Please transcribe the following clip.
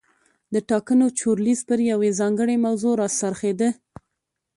د ټاکنو چورلیز پر یوې ځانګړې موضوع را څرخېده.